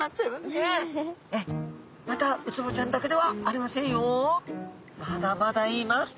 またウツボちゃんだけではありませんよ。まだまだいます。